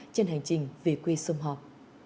trên hành trình về quê xung họp